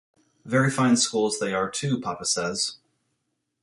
Very fine schools they are, too, papa says.